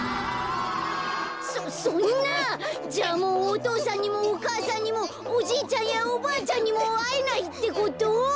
そそんなじゃあもうお父さんにもお母さんにもおじいちゃんやおばあちゃんにもあえないってこと？